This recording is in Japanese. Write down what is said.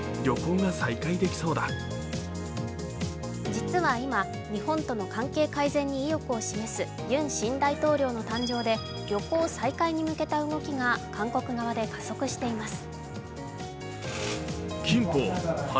実は今、日本との関係改善に意欲を示すユン新大統領の誕生で旅行再開に向けた動きが韓国側で加速しています。